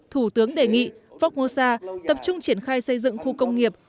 thủ tướng đề nghị formosa tập trung triển khai xây dựng khu công nghiệp